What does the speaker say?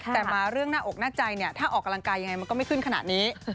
แต่มาเรื่องหน้าอกหน้าใจเนี่ยถ้าออกกำลังกายยังไงมันก็ไม่ขึ้นขนาดนี้